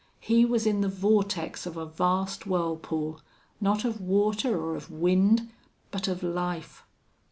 He was in the vortex of a vast whirlpool, not of water or of wind, but of life.